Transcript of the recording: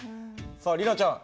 さあ里奈ちゃん